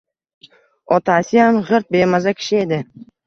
Otasiyam g`irt bemaza kishi edi